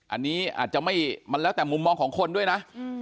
อันนี้อาจจะไม่มันแล้วแต่มุมมองของคนด้วยนะ